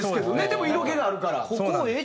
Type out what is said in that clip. でも色気があるから。